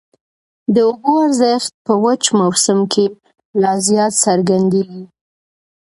د اوبو ارزښت په وچ موسم کي لا زیات څرګندېږي.